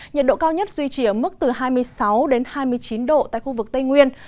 nhiệt độ cao nhất duy trì ở mức từ hai mươi sáu hai mươi chín độ tại khu vực tây nguyên